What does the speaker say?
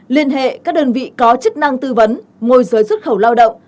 liên hệ các đơn vị có chức năng tư vấn môi giới xuất khẩu lao động